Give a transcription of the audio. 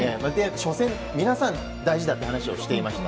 初戦、皆さん大事だって話をしていました。